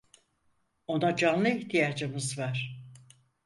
Ona canlı ihtiyacımız var.